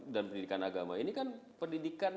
dan pendidikan agama ini kan pendidikan